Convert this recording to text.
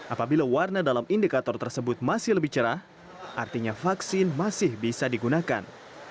apabila warna dalam indikator tersebut masih lebih cerah artinya vaksin masih bisa digunakan